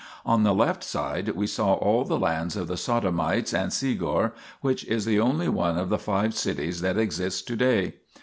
On the left side we saw all the lands of the Sodomites and Segor 1 which is the only one of the five cities that exists to day.